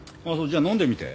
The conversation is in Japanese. じゃあ飲んでみて。